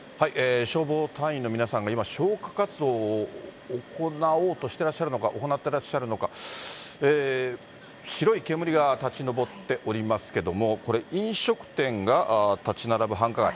消防隊員の皆さんが今、消火活動を行おうとしてらっしゃるのか、行っていらっしゃるのか、白い煙が立ち上っておりますけれども、これ、飲食店が建ち並ぶ繁華街。